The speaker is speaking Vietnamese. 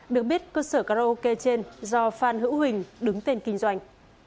được biết cơ sở karaoke trên do phan hữu huỳnh đứng tên kinh doanh